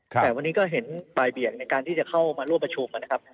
แต่วันนี้ก็เห็นบ่ายเบี่ยงในการที่จะเข้ามาร่วมประชุมนะครับ